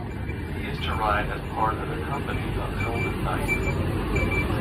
He is to ride as part of a company of elven knights.